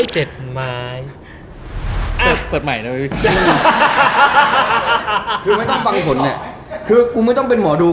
อ๋อเจ็ดไม้อ่าเปิดเปิดใหม่นะคือไม่ต้องฟังผลเนี่ยคือกูไม่ต้องเป็นหมอดู